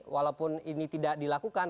walaupun ini tidak dilakukan